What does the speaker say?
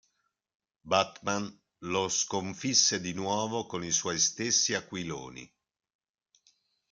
Batman lo sconfisse di nuovo con i suoi stessi aquiloni.